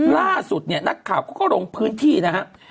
ล่าสุดเนี่ยนักข่าวเขาก็ลงพื้นที่นะครับ